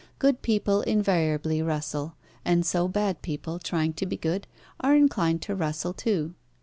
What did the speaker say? Good people invariably rustle, and so bad people, trying to be good, are inclined to rustle too.